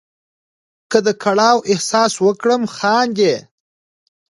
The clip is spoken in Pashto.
که د کړاو احساس وکړم خاندې.